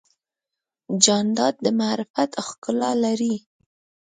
جانداد د معرفت ښکلا لري.